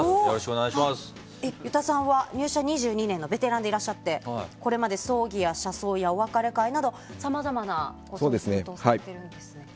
湯田さんは入社２１年のベテランでいらっしゃってこれまで葬儀や社葬やお別れ会などさまざまなことをされているんですね。